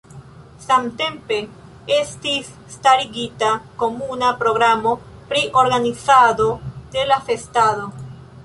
Samtempe estis starigita komuna programo pri organizado de la festado.